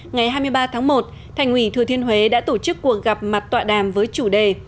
ngày hai mươi ba tháng một thành ủy thừa thiên huế đã tổ chức cuộc gặp mặt tọa đàm với chủ đề